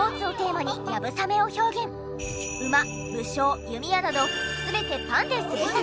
馬武将弓矢など全てパンで制作。